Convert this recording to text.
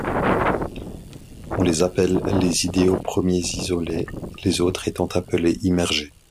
On les appelle les idéaux premiers isolés, les autres étant appelés immergés.